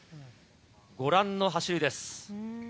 ご覧の走りです。